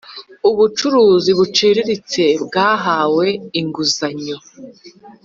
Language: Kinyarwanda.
Ubucuruzi buciriritse bwahawe inguzanyo